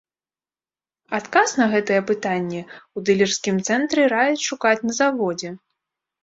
Адказ на гэтае пытанне ў дылерскім цэнтры раяць шукаць на заводзе.